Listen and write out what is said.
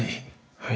はい。